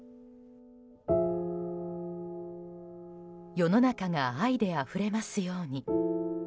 世の中が愛であふれますように。